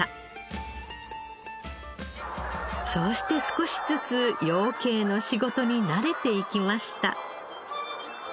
そうして少しずつ養鶏の仕事に慣れていきました。